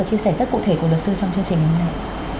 và chia sẻ rất cụ thể của luật sư trong chương trình hôm nay